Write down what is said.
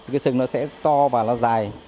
cái sừng nó sẽ to và nó dài